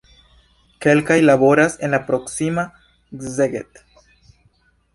Kelkaj laboras en la proksima Szeged.